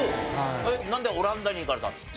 なんでオランダに行かれたんですか？